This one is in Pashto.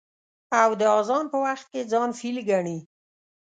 او د اذان په وخت کې ځان فيل گڼي.